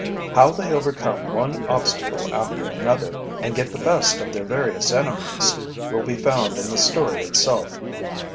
How they overcome one obstacle after another, and get the best of their various enemies, will be found in the story itself.